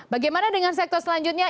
bagaimana dengan sektor selanjutnya